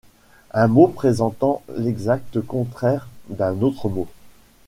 Un mot présentant l'exact contraire d'un autre mot.